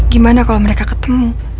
gimana kalo mereka ketemu